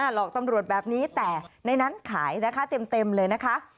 หลอกตำรวจแบบนี้แต่ในนั้นขายนะคะเต็มเลยนะคะ